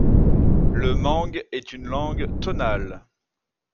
Le mang est une langue tonale.